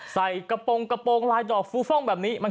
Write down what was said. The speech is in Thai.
ใส่กระโปรงรายดอกฟูฟ่องเฉพาะแบบนี้